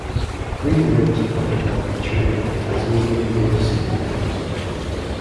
Green later was appointed as the chairman of the Tasmanian Road Safety Council.